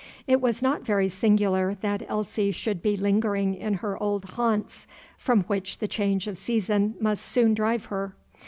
It was not very singular that Elsie should be lingering in her old haunts, from which the change of season must soon drive her.